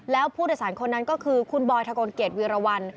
แล้วผู้โดยสารคนนั้นก็คือคุณบอยทะกลเกียรวีรวรรณ